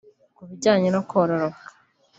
Ku bijyanye no kororoka